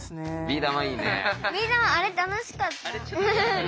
ビー玉あれ楽しかった。